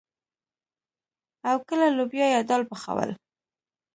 او کله لوبيا يا دال پخول.